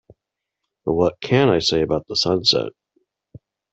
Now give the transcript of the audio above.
But what can I say about the sunset?